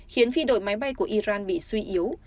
khiến phi đội máy bay của iran bị suy yếu